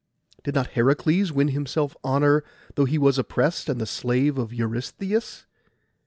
Did not Heracles win himself honour, though he was opprest, and the slave of Eurystheus?